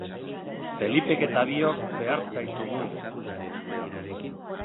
Felipek eta biok behar zaitugu...